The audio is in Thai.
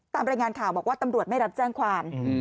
ตามรายงานข่าวบอกว่าตำรวจไม่รับแจ้งความ